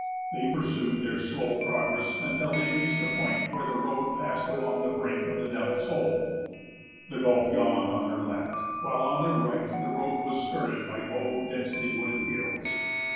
They pursued their slow progress until they reached a point where the road passed along the brink of the Devil's Hole. The gulf yawned on their left, while on their right the road was skirted by low densely wooded hills.